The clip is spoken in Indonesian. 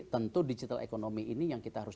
tentu digital ekonomi ini yang kita harus